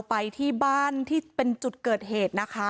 ไปที่บ้านที่เป็นจุดเกิดเหตุนะคะ